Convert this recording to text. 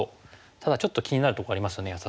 ただちょっと気になるとこありますよね安田さん。